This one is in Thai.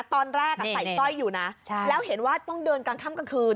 ตอนแรกใส่สร้อยอยู่นะแล้วเห็นว่าต้องเดินกลางค่ำกลางคืน